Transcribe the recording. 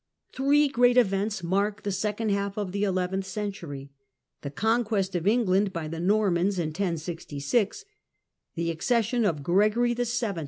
Three great events mark the second half of the eleventh century — the conquest of England by the Normans in 1066 ; the accession of Gregory VII.